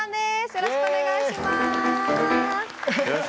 よろしくお願いします。